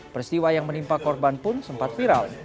peristiwa yang menimpa korban pun sempat viral